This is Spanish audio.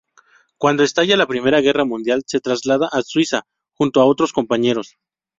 Cuando estalla la Primera Guerra Mundial, se traslada a Suiza junto a otros compañeros.